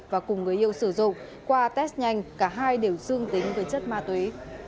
và cùng người yêu sử dụng qua test nhanh cả hai đều dương tính với chất ma túy